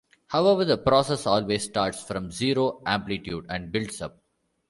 However, the process always starts from zero amplitude and builds up.